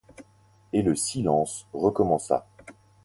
Et le silence recommença.